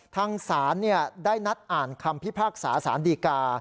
ทางศาลได้นัดอ่านคำพิพากษาสารดีกา